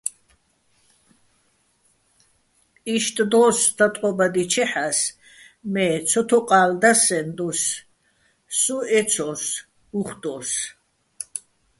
იშტ დო́ს, დატყობადიჩეჰ̦ას, მე ცოთოყალ და სეჼ დოს, სო ეცო́ს, უ̂ხ დო́ს.